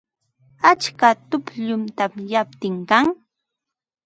Atska tukllum tamyaptin kan.